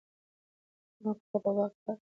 ارمان کاکا د باغ په هره ونه کې خپل عمر لیدلی شو.